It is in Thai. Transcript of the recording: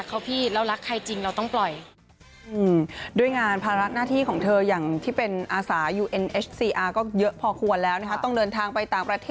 ส่วนคราวที่เมฆขอแต่งงานปูปรายยาก็ตอบแบบไม่อยากจะกันไว้แล้วค่ะ